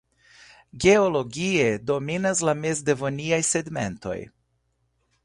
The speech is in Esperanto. Geologie dominas la mezdevoniaj sedimentoj.